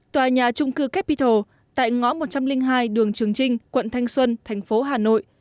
tòa nhà trung cư capital tại ngõ một trăm linh hai đường trường trinh quận thanh xuân thành phố hà nội